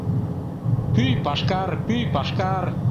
Пӱй — пашкар, пӱй — пашкар...